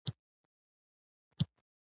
• ځینې نومونه د بخت او قسمت سره تړاو لري.